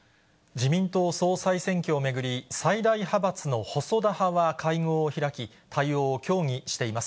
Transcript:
自民党総裁選挙を巡り、最大派閥の細田派は会合を開き、対応を協議しています。